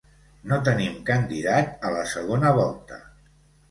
No tenim candidat a la segona volta.